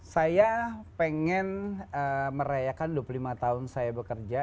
saya pengen merayakan dua puluh lima tahun saya bekerja